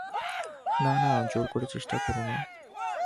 না না, জোর করে চেষ্টা কোরো না।